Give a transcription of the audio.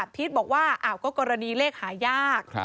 พีชบอกว่าก็กรณีเลขหายาก